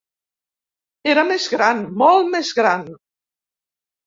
Era més gran, molt més gran.